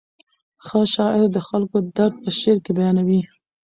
ښه شاعر د خلکو درد په شعر کې بیانوي.